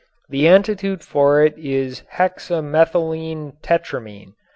The antidote for it is hexamethylene tetramine.